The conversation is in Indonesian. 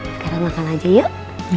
sekarang makan aja yuk